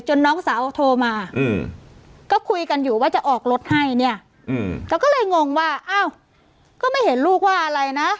น้องสาวโทรมาก็คุยกันอยู่ว่าจะออกรถให้เนี่ยเราก็เลยงงว่าอ้าวก็ไม่เห็นลูกว่าอะไรนะ